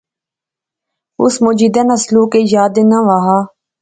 اس مجیدے ناں سلوک ایہہ یاد اینا وہا